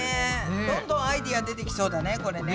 どんどんアイデア出てきそうだねこれね。